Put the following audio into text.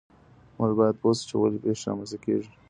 موږ باید پوه سو چې ولې پیښې رامنځته کیږي.